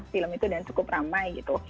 film itu dan cukup ramai gitu